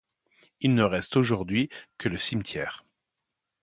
Il ne reste aujourd'hui que le cimetière.